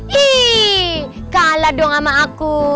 hei kalah dong sama aku